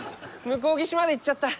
向こう岸まで行っちゃった。